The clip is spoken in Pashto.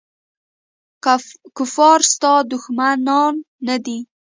کفار ستا دښمنان نه دي.